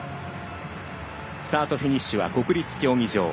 スタート・フィニッシュは国立競技場。